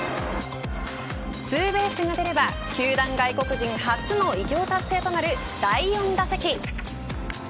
ツーベースが出れば球団外国人初の偉業達成となる第４打席。